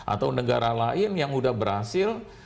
atau negara lain yang sudah berhasil